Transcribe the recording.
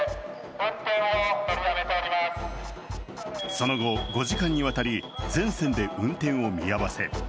その後、５時間にわたり全線で運転を見合わせ。